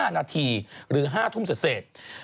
๕นาทีหรือ๕ทุ่มเศษ